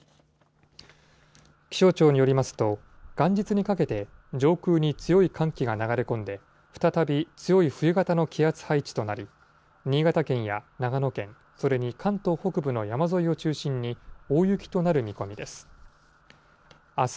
気象庁によりますと、元日にかけて、上空に強い寒気が流れ込んで、再び強い冬型の気圧配置となり、新潟県や長野県、それに関東北部の山沿いを中心に、大雪となる見込みです。